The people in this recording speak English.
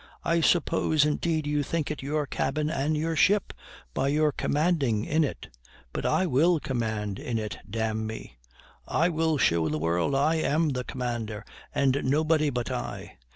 I suppose indeed you think it your cabin, and your ship, by your commanding in it; but I will command in it, d n me! I will show the world I am the commander, and nobody but I!